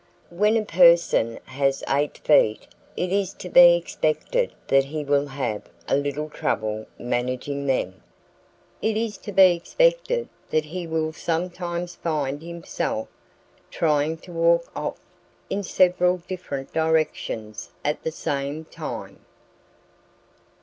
When a person has eight feet it is to be expected that he will have a little trouble managing them. It is to be expected that he will sometimes find himself trying to walk off in several different directions at the same time.